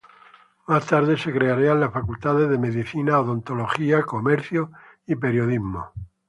Más tarde se crearían las facultades de Medicina, Odontología, Comercio y Periodismo.